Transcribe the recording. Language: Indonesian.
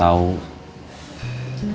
saya teh udah kasih tau